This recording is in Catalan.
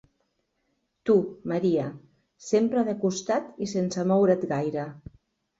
Tu, Maria, sempre de costat i sense moure't gaire.